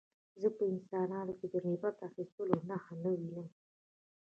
زه په انسانانو کې د عبرت اخیستلو نښه نه وینم